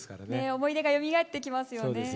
思い出がよみがえってきますよね。